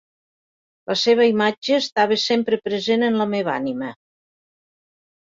La seva imatge estava sempre present en la meva ànima.